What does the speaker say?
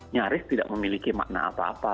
nyaris tidak memiliki makna apa apa